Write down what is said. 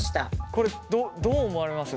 これどう思われます？